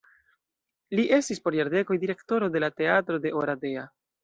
Li estis por jardekoj direktoro de la teatro de Oradea.